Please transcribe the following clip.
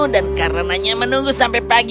dan karenanya menunggu sampai pagi